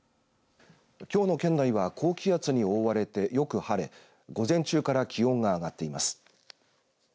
きょうの県内は高気圧に覆われてよく晴れ午前中から気温が上がっています。